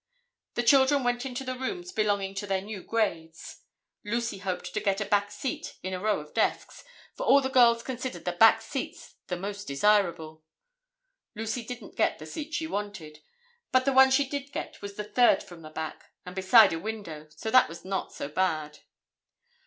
The children went into the rooms belonging to their new grades. Lucy hoped to get a back seat in a row of desks, for all the girls considered the back seats the most desirable. Lucy didn't get the seat she wanted, but the one she did get was the third from the back, and beside a window, so that was not so bad.